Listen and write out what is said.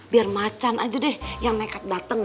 biar macan aja deh yang nekat datang